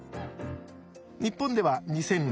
日本では２００６年